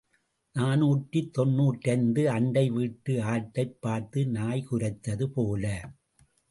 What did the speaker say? நாநூற்று தொன்னூற்றைந்து அண்டை வீட்டு ஆட்டைப் பார்த்து நாய் குரைத்தது போல.